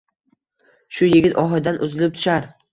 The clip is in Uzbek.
Shu yigit ohidan uzilib tushar.